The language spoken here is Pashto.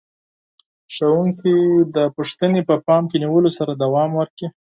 ښوونکي دې پوښتنې په پام کې نیولو سره دوام ورکړي.